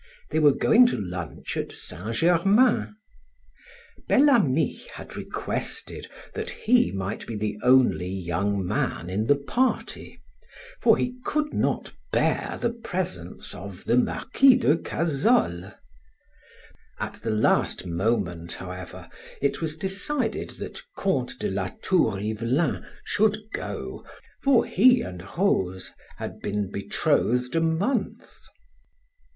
They were going to lunch at Saint Germain. Bel Ami had requested that he might be the only young man in the party, for he could not bear the presence of the Marquis de Cazolles. At the last moment, however, it was decided that Count de Latour Ivelin should go, for he and Rose had been betrothed a month.